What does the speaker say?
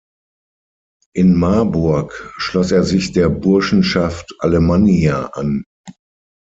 In Marburg schloss er sich der Burschenschaft Alemannia an.